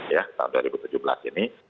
ya tahun dua ribu tujuh belas ini